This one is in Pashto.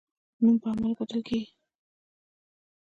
نوم په عمل ګټل کیږي